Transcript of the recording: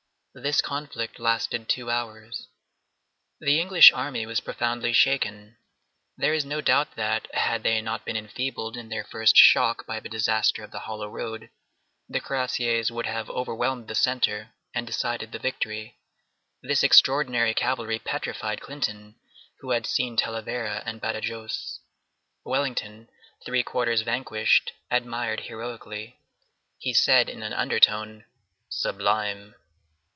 This conflict lasted two hours. The English army was profoundly shaken. There is no doubt that, had they not been enfeebled in their first shock by the disaster of the hollow road the cuirassiers would have overwhelmed the centre and decided the victory. This extraordinary cavalry petrified Clinton, who had seen Talavera and Badajoz. Wellington, three quarters vanquished, admired heroically. He said in an undertone, "Sublime!"